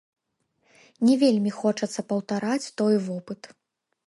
Не вельмі хочацца паўтараць той вопыт.